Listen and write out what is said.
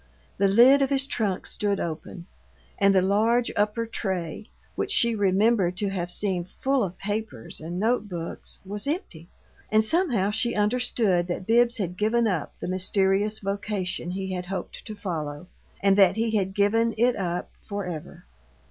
The lid of his trunk stood open, and the large upper tray, which she remembered to have seen full of papers and note books, was empty. And somehow she understood that Bibbs had given up the mysterious vocation he had hoped to follow and that he had given it up for ever.